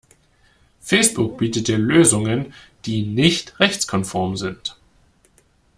Facebook bietet dir Lösungen die nicht rechtskonform sind.